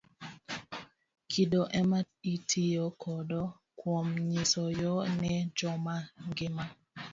Kido ema itiyo godo kuom nyiso yoo ne joma ngima.